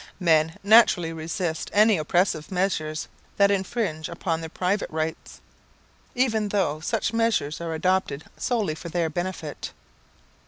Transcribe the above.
Men naturally resist any oppressive measures that infringe upon their private rights, even though such measures are adopted solely for their benefit.